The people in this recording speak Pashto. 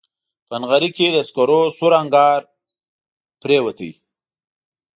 په نغري کې د سکرو سور انګار پرېوتی